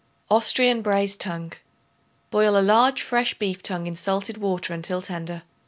Austrian Braised Tongue. Boil a large fresh beef tongue in salted water until tender.